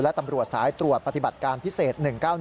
และตำรวจสายตรวจปฏิบัติการพิเศษ๑๙๑